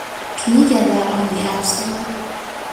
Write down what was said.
Can you get that on the App Store?